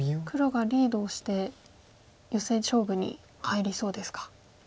黒がリードをしてヨセ勝負に入りそうですか。